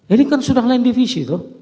ini kan sudah lain divisi tuh